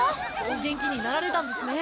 お元気になられたんですね！